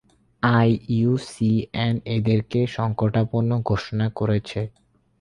IUCN এদেরকে সংকটাপন্ন ঘোষণা করেছে।